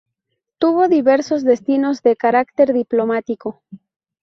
Tuvo diversos destinos de carácter diplomático.